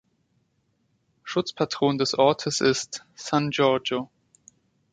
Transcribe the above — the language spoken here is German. Schutzpatron des Ortes ist "San Giorgio".